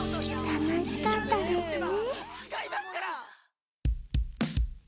楽しかったですね。